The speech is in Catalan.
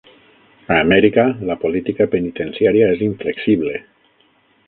A Amèrica, la política penitenciària és inflexible.